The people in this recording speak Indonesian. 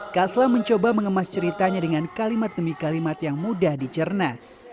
kasla mencoba mengemas ceritanya dengan kalimat demi kalimat yang mudah dicerna